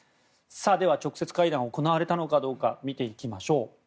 では、直接会談が行われたのかどうか見ていきましょう。